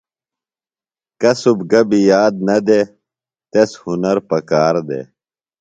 کُصب گبیۡ یاد نہ دےۡ، تس ہُنر پکار دےۡ